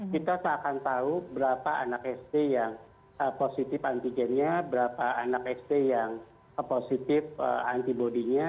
kita tak akan tahu berapa anak sd yang positif antigennya